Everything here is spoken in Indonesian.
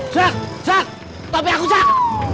jak jak tapi aku jak